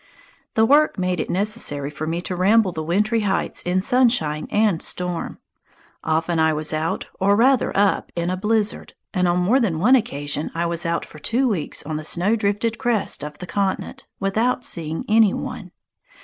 The work made it necessary for me to ramble the wintry heights in sunshine and storm. Often I was out, or rather up, in a blizzard, and on more than one occasion I was out for two weeks on the snow drifted crest of the continent, without seeing any one.